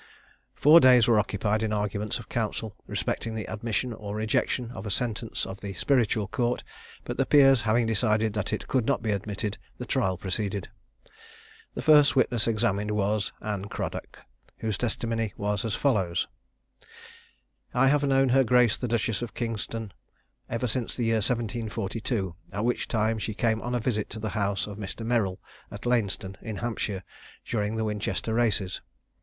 Four days were occupied in arguments of counsel respecting the admission or rejection of a sentence of the Spiritual Court; but the peers having decided that it could not be admitted, the trial proceeded. The first witness examined was Anne Cradock, whose testimony was as follows: I have known her grace the Duchess of Kingston ever since the year 1742, at which time she came on a visit to the house of Mr. Merrill, at Lainston, in Hampshire, during the Winchester races.